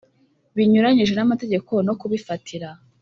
binyuranyije n amategeko no kubifatira